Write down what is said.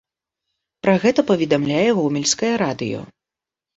Пра гэта паведамляе гомельскае радыё.